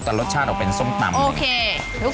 แต่รสชาติออกเป็นส้มตำโอเค